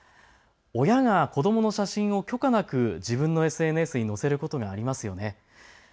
親が子どもの写真を許可なく自分のＳＮＳに載せることがありますよね。